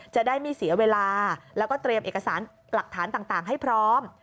จะได้ไม่เสียเวลาแล้วก็เตรียมเอกสารหลักฐานต่างให้พร้อม